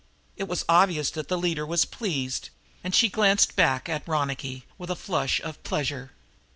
It was obvious that the leader was pleased, and she glanced back at Ronicky, with a flush of pleasure.